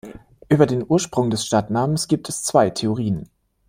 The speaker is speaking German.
Über den Ursprung des Stadtnamens gibt es zwei Theorien.